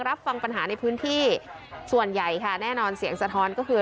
รับฟังปัญหาในพื้นที่ส่วนใหญ่ค่ะแน่นอนเสียงสะท้อนก็คือ